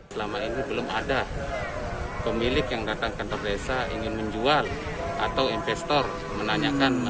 selama ini belum ada pemilik yang datang ke kantor desa ingin menjual atau investor menanyakan